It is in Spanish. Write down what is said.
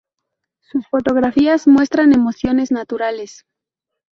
Sus fotografías muestran emociones naturales.